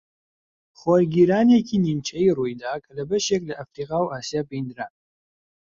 خۆرگیرانێکی نیمچەیی ڕوویدا کە لە بەشێک لە ئەفریقا و ئاسیا بیندرا